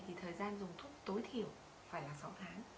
thì thời gian dùng thuốc tối thiểu phải là sáu tháng